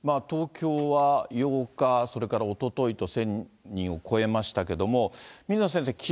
東京は８日、それからおとといと、１０００人を超えましたけれども、水野先生、